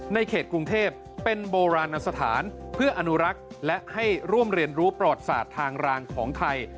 ในเขตกรุงเทพเป็นโบราณสถานเพื่ออนุรักษ์และให้ร่วมเรียนรู้ประวัติศาสตร์ทางรางของไทย